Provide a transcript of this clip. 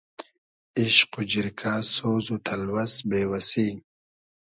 ایشق و جیرکۂ سۉز و تئلوئس بې وئسی